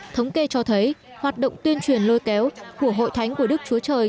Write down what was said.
thống kê cho thấy hoạt động tuyên truyền lôi kéo của hội thánh của đức chúa trời